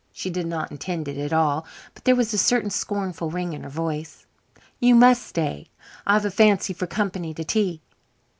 She did not intend it at all, but there was a certain scornful ring in her voice. "You must stay. I've a fancy for company to tea."